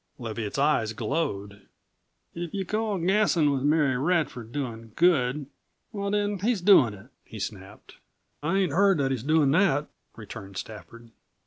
Leviatt's eyes glowed. "If you call gassin' with Mary Radford doin' good, why then, he's doin' it!" he snapped. "I ain't heard that he's doin' that," returned Stafford.